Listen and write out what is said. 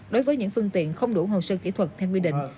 đối với những phương tiện không đủ hồ sơ kỹ thuật theo quy định